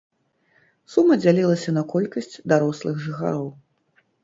Сума дзялілася на колькасць дарослых жыхароў.